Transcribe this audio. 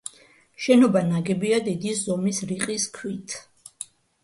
შენობა ნაგებია დიდი ზომის, რიყის ქვით.